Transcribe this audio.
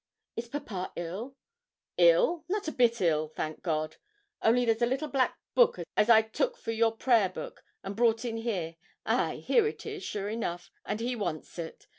'Is papa ill?' 'Ill! not a bit ill, thank God. Only there's a little black book as I took for your prayer book, and brought in here; ay, here it is, sure enough, and he wants it.